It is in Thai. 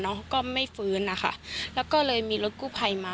เขาก็ไม่ฟื้นนะคะแล้วก็เลยมีรถกู้ภัยมา